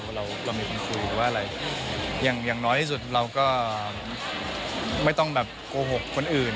หรือว่าอะไรอย่างน้อยที่สุดเราก็ไม่ต้องแบบโกหกคนอื่น